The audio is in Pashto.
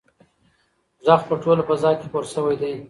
غږ په ټوله فضا کې خپور شوی دی.